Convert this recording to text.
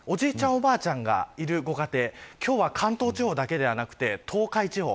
おばあちゃんがいるご家庭今日は関東地方だけではなく東海地方